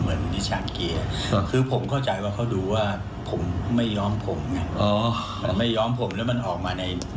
เดี๋ยวไปฟังเสียงท่านพลตรีกันค่ะ